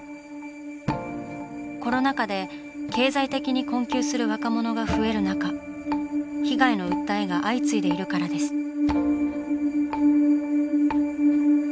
コロナ禍で経済的に困窮する若者が増える中被害の訴えが相次いでいるからです。